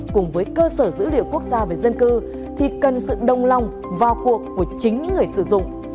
cùng với cơ sở dữ liệu quốc gia về dân cư thì cần sự đồng lòng vào cuộc của chính những người sử dụng